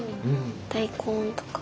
大根とか。